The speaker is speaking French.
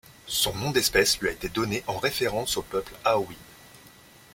Son nom d'espèce lui a été donné en référence au peuple Aowin.